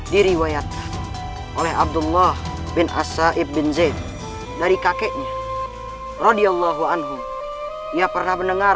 diriwayat oleh abdullah bin asaib binzir dari kakeknya radyallahu anhu ia pernah mendengar